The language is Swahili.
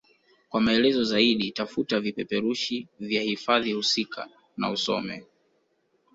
Kwa maelezo zaidi tafuta vipeperushi vya hifadhi husika na usome